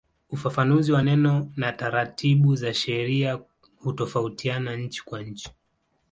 Ufafanuzi wa neno na taratibu za sheria hutofautiana nchi kwa nchi.